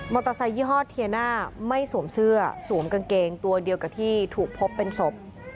ไซคยี่ห้อเทียน่าไม่สวมเสื้อสวมกางเกงตัวเดียวกับที่ถูกพบเป็นศพ